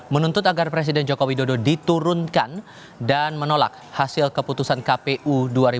menuntut agar presiden joko widodo diturunkan dan menolak hasil keputusan kpu dua ribu dua puluh